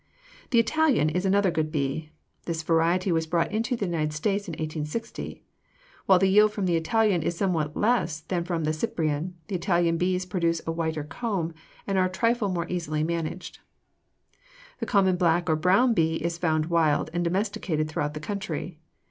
The Italian is another good bee. This variety was brought into the United States in 1860. While the yield from the Italian is somewhat less than from the Cyprian, the Italian bees produce a whiter comb and are a trifle more easily managed. The common black or brown bee is found wild and domesticated throughout the country.